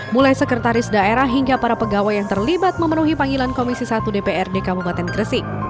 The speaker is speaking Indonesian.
mulai sekretaris daerah hingga para pegawai yang terlibat memenuhi panggilan komisi satu dprd kabupaten gresik